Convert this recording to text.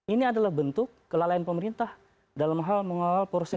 ini adalah bentuk kelalaian pemerintah dalam hal mengawal korupsi